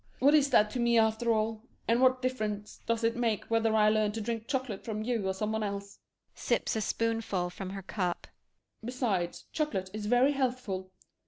What is that to me, after all? And what difference does it make whether I learned to drink chocolate from you or some one else. [Sips a spoonful from her cup.] Besides, chocolate is very healthful.